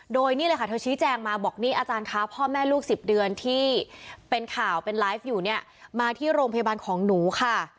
โดยนี่เลยค่ะเธอชี้แจงมาบอกนี่อาจารย์คะพ่อแม่ลูก๑๐เดือนที่เป็นข่าวเป็นไลฟ์อยู่เนี่ยมาที่โรงพยาบาลของหนูค่ะ